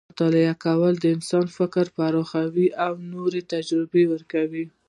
مطالعه کول د انسان فکر پراخوي او نوې تجربې ورکوي.